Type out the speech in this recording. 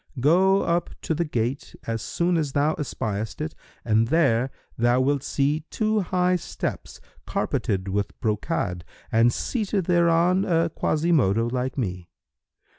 Go up to the gate as soon as thou espiest it and there thou wilt see two high steps, carpeted with brocade, and seated thereon a Quasimodo like me.